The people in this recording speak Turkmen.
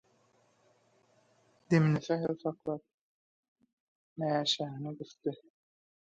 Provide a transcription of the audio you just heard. Demini sähäl saklap, mäşäni gysdy.